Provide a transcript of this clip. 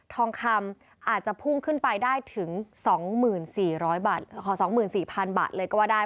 ทองคำอาจจะพุ่งขึ้นไปได้ถึง๒๔๐๐บาทขอ๒๔๐๐๐บาทเลยก็ว่าได้